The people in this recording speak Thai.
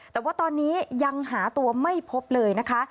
แต่ว่าตอนนี้ยังหาตัวไม่พบเลยนะคะ